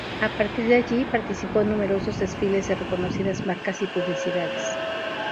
A partir de allí participó en numerosos desfiles de reconocidas marcas y publicidades.